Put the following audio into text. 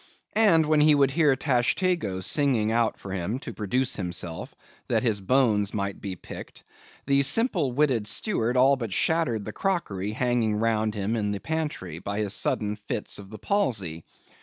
And when he would hear Tashtego singing out for him to produce himself, that his bones might be picked, the simple witted steward all but shattered the crockery hanging round him in the pantry, by his sudden fits of the palsy.